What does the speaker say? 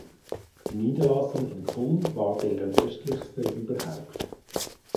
Die Niederlassung in Culm war deren östlichste überhaupt.